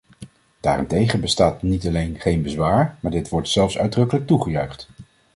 Daartegen bestaat niet alleen geen bezwaar, maar dit wordt zelfs uitdrukkelijk toegejuicht.